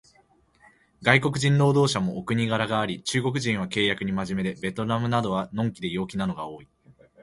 外国人労働者もお国柄があり、中国人は契約に真面目で、ベトナムなどは呑気で陽気なのが多い